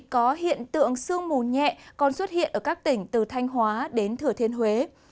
có hiện tượng sương mù nhẹ còn xuất hiện ở các tỉnh từ thanh hóa đến thừa thiên huế